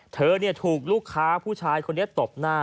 เธอถูกลูกค้าผู้ชายคนนี้ตบหน้า